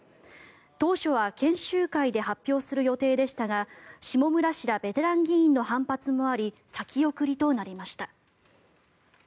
当初は研修会で発表する予定でしたが下村氏らベテラン議員の反発もあり先送りとなりました。